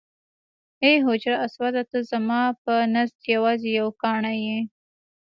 ای حجر اسوده ته زما په نزد یوازې یو کاڼی یې.